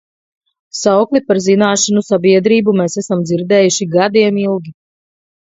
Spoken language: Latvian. Saukli par zināšanu sabiedrību mēs esam dzirdējuši gadiem ilgi.